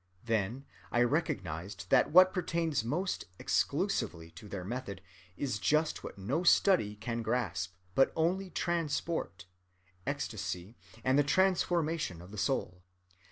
Then I recognized that what pertains most exclusively to their method is just what no study can grasp, but only transport, ecstasy, and the transformation of the soul.